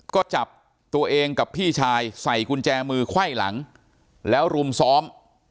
ก็จับตัวเองกับพี่ชายใส่กุญแจมือไขว้หลังแล้วรุมซ้อม